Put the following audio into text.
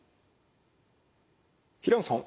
平野さん